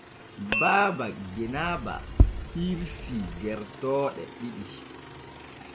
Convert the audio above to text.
Baaba Genaba hirsii gertooɗe ɗiɗi.